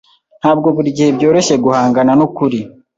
Ntabwo buri gihe byoroshye guhangana nukuri.